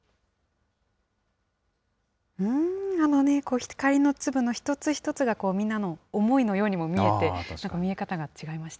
光の粒の一つ一つがみんなの思いのようにも見えて、なんか見え方が違いました。